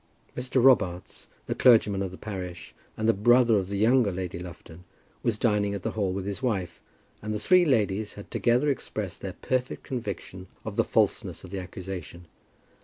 Mr. Robarts, the clergyman of the parish and the brother of the younger Lady Lufton, was dining at the hall with his wife, and the three ladies had together expressed their perfect conviction of the falseness of the accusation.